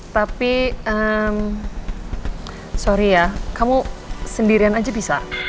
tapi sorry ya kamu sendirian aja bisa